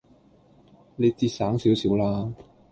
你節省少少啦